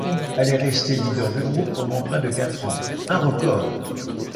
Elle est restée leader du groupe pendant près de quatre ans, un record.